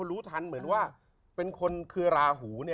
ตั้งแต่เชียร์อายุ๑๕ดูหน้าแล้วอ่ะ